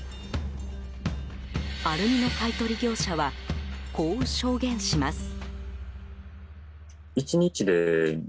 アルミの買い取り業者はこう証言します。